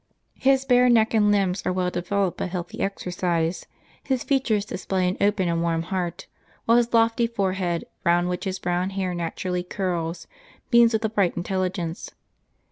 His bare neck and limbs are well developed by healthy exercise ; his features display an open and warm heart, while his lofty forehead, round which his brown hair naturally curls, beams with a bright intelligence.